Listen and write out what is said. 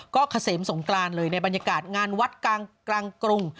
ก็เกษมสงกรานเลยในบรรยากาศงานวัดกลางกรุง